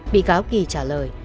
bị cáo kì trả lời